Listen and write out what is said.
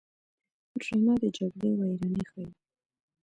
ډرامه د جګړې ویرانۍ ښيي